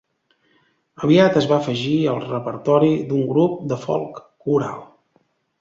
Aviat es va afegir al repertori d'un grup de folk coral.